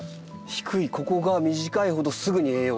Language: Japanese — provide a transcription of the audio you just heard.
低いここが短いほどすぐに栄養が。